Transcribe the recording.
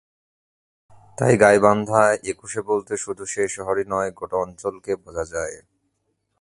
তাই গাইবান্ধায় একুশে বলতে শুধু সেই শহরই নয়, গোটা অঞ্চলকেই বোঝা যায়।